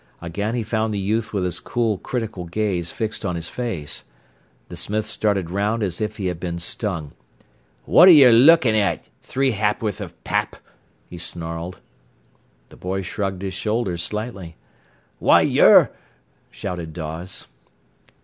Again he found the youth with his cool, critical gaze fixed on his face. The smith started round as if he had been stung. "What'r yer lookin' at, three hap'orth o' pap?" he snarled. The boy shrugged his shoulders slightly. "Why yer—!" shouted Dawes.